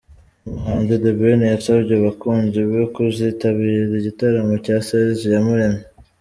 Umuhanzi The Ben yasabye abakunzi be kuzitabira igitaramo cya Serge Iyamuremye.